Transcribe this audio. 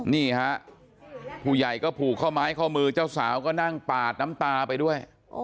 นี่ฮะผู้ใหญ่ก็ผูกข้อไม้ข้อมือเจ้าสาวก็นั่งปาดน้ำตาไปด้วย